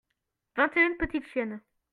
vingt et une petites chiennes.